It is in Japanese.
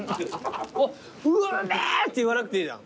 「うめぇ！」って言わなくていいじゃん。